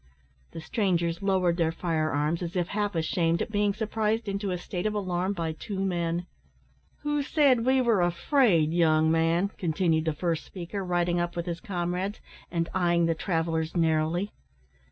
The strangers lowered their fire arms, as if half ashamed at being surprised into a state of alarm by two men. "Who said we were `afraid,' young man?" continued the first speaker, riding up with his comrades, and eyeing the travellers narrowly.